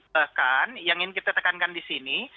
bahkan yang ingin kita tekankan di sini